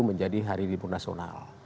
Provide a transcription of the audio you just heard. menjadi hari ribu nasional